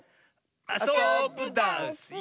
あそぶダスよ！